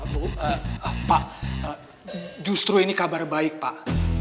pak justru ini kabar baik pak